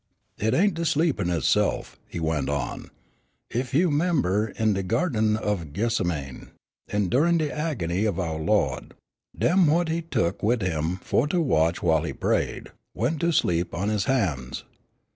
"It ain't de sleepin' itse'f," he went on, "ef you 'member in de Gyarden of Gethsemane, endurin' de agony of ouah Lawd, dem what he tuk wid him fu' to watch while he prayed, went to sleep on his han's.